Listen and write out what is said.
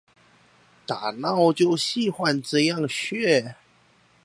大腦喜歡這樣學